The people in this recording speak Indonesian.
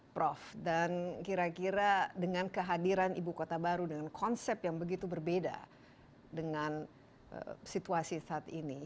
prof dan kira kira dengan kehadiran ibu kota baru dengan konsep yang begitu berbeda dengan situasi saat ini